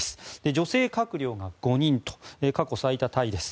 女性閣僚が５人と過去最多タイです。